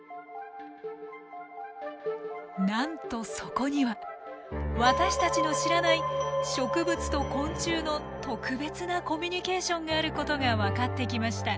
なんとそこには私たちの知らない植物と昆虫の特別なコミュニケーションがあることが分かってきました。